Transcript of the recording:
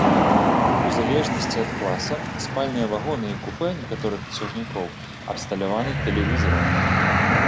У залежнасці ад класа спальныя вагоны і купэ некаторых цягнікоў абсталяваны тэлевізарам.